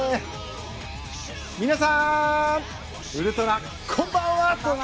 皆さん、ウルトラこんばんは！